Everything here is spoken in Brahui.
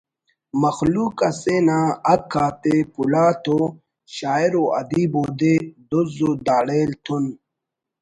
مخلوق اسے نا حق آتے پُلا تو شاعر و ادیب اودے دُز و داڑیل تون